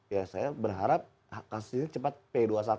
ya saya berharap kasusnya cepat p dua puluh satu